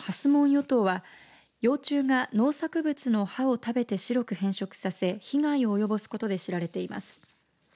ヨトウは幼虫が農作物の葉を食べて白く変色させ被害を及ぼすことで知られています。